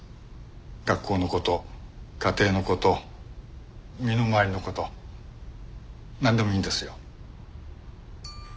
学校の事家庭の事身の回りの事なんでもいいんですよ。